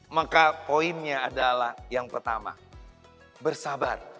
maka poinnya adalah yang pertama bersabar